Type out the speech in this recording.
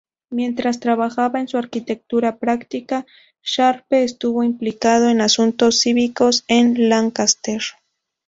Mientras trabajaba en su arquitectura práctica, Sharpe estuvo implicado en asuntos cívicos en Lancaster.